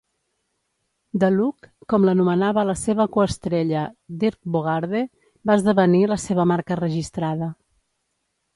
"The Look", com l"anomenava la seva co-estrella Dirk Bogarde, va esdevenir la seva marca registrada.